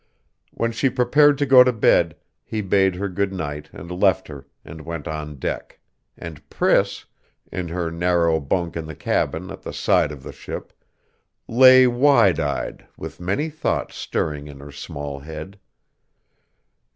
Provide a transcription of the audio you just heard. When she prepared to go to bed, he bade her good night and left her, and went on deck; and Priss, in her narrow bunk in the cabin at the side of the ship, lay wide eyed with many thoughts stirring in her small head.